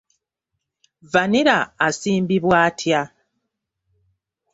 Vanilla asimbibwa atya?